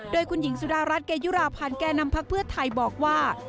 โดยคุณหญิงสุดารัฐเกยุราพันธ์แก่นำพักเพื่อไทยบอกว่า